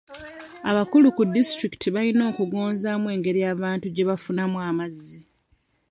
Abakulu ku disitulikiti balina okugonzaamu engeri abantu gye bafunamu amazzi.